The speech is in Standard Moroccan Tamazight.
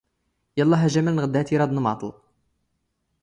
ⵢⴰⵍⵍⴰⵀ ⴰ ⵊⴰⵎⴰⵍ ⵏⵖ ⴷ ⵀⴰ ⵜ ⵉ ⵔⴰⴷ ⵏⵎⴰⵟⵍ.